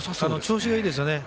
調子がいいですよね。